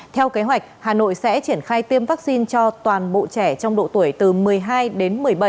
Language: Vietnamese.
theo kế hoạch hà nội sẽ triển khai tiêm vaccine cho toàn bộ trẻ trong độ tuổi từ một mươi hai đến một mươi bảy